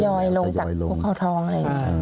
ขยอยลงจากเข้าท้องเลย